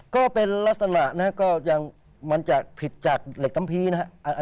ก็เป็นลักษณะเนี่ยก็อย่างมันจากผิดเหล็กสัมภิรนะครับ